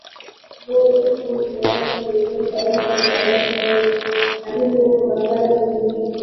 bo vipi mpenzi msikilizaji wa redio france international karibu katika makala ya mziki ijumaa